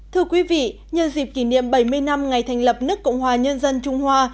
thưa quý vị nhân dịp kỷ niệm bảy mươi năm ngày thành lập nước cộng hòa nhân dân trung hoa